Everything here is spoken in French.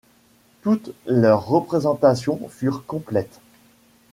Toutes leurs représentations furent complètes.